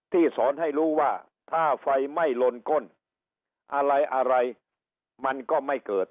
สอนให้รู้ว่าถ้าไฟไม่ลนก้นอะไรอะไรมันก็ไม่เกิด